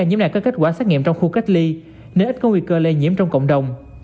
hai mươi chín nhiễm nạc có kết quả xét nghiệm trong khu cách ly nên ít có nguy cơ lây nhiễm trong cộng đồng